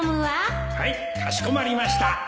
はいかしこまりました